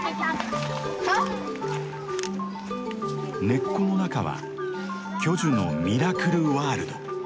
根っこの中は巨樹のミラクルワールド。